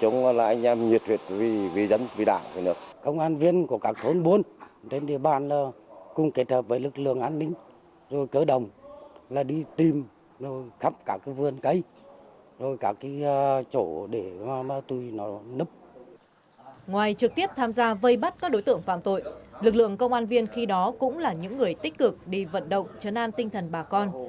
ngoài trực tiếp tham gia vây bắt các đối tượng phạm tội lực lượng công an viên khi đó cũng là những người tích cực đi vận động chấn an tinh thần bà con